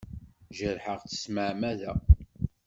Jerḥeɣ-tt s tmeɛmada.